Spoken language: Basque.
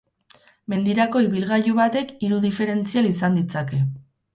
Mendirako ibilgailu batek hiru diferentzial izan ditzake.